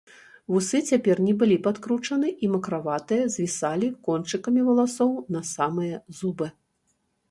Вусы цяпер не былі падкручаны і, макраватыя, звісалі кончыкамі валасоў на самыя зубы.